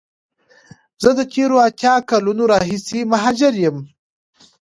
زه د تیرو اته کالونو راهیسی مهاجر یم.